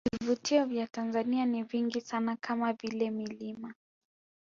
Vivutio vya Tanzania ni vingi sana kama vile milima